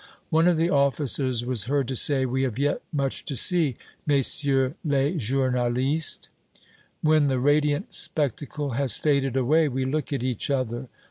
One of the officers was heard to say, "We have yet much to see, messieurs les journalistes." When the radiant spectacle has faded away, we look at each other.